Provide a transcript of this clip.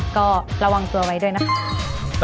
ก็ระวังตัวไว้ด้วยนะคะ